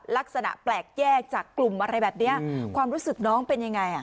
ลักษณะแปลกแยกจากกลุ่มอะไรแบบนี้ความรู้สึกน้องเป็นยังไง